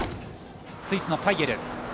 スイスのパイエル。